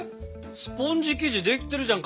スポンジ生地できてるじゃん！